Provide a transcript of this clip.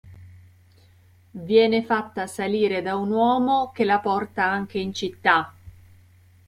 Viene fatta salire da un uomo che la porta anche in città.